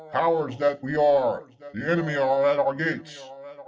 Cowards that we are, the enemy are at our gates